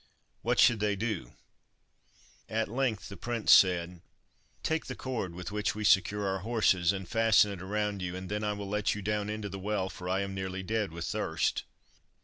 What should they do? At length the prince said— "Take the cord with which we secure our horses and fasten it around you, and then I will let you down into the well, for I am nearly dead with thirst."